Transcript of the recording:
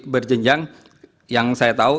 berjenjang yang saya tahu